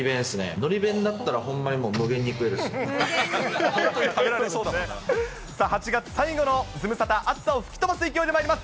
のり弁だった８月最後のズムサタ、暑さを吹き飛ばす勢いでまいります。